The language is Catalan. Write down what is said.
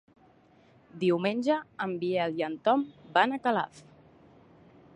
Diumenge en Biel i en Tom van a Calaf.